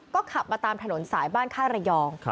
ก็ขับมาตามถนนสายบ้านค่ายระยอง